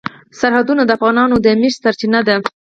سرحدونه د افغانانو د معیشت سرچینه ده.